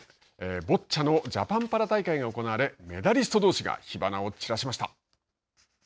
ボッチャのジャパンパラ大会が行われ、メダリストどうしが火花を散らしました。